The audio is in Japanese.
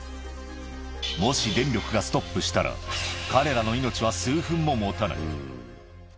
もし電力がストップしたら、彼らの命は数分ももたない。